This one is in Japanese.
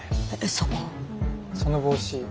その帽子